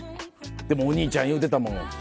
でもお兄ちゃん言うてたもん。